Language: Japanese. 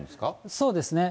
そうですね。